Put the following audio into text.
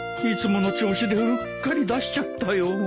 いつもの調子でうっかり出しちゃったよ